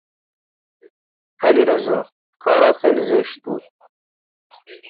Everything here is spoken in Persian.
علیرضا ، کارت خیلی زشت بود